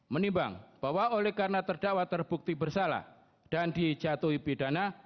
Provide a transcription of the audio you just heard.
menimbang bahwa oleh karena terdakwa terbukti bersalah dan dijatuhi pidana